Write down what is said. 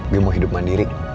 gue mau hidup mandiri